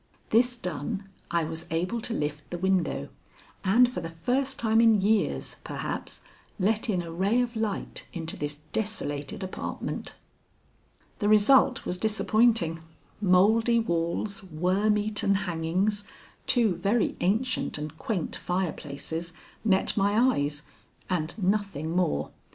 This done, I was able to lift the window, and for the first time in years, perhaps, let in a ray of light into this desolated apartment. The result was disappointing. Mouldy walls, worm eaten hangings, two very ancient and quaint fireplaces, met my eyes, and nothing more.